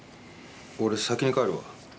俺先に帰るわ。